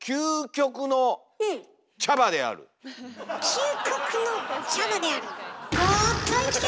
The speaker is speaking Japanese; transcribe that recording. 究極の茶葉である。